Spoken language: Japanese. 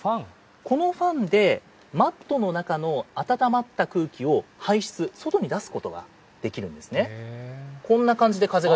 このファンで、マットの中の温まった空気を排出、外に出すことができるんですね。